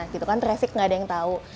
gitu kan traffic nggak ada yang tahu